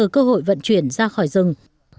cơ hội vận chuyển ra khỏi rừng